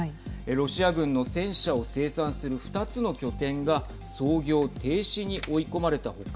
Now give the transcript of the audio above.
ロシア軍の戦車を生産する２つの拠点が操業停止に追い込まれた他